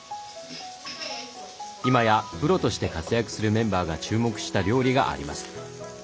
今やプロとして活躍するメンバーが注目した料理があります。